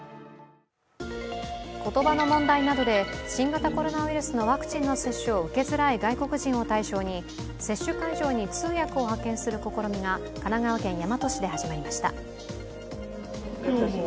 言葉の問題などで新型コロナウイルスのワクチンの接種を受けづらい外国人を対象に接種会場に通訳を派遣する試みが神奈川県大和市で始まりました。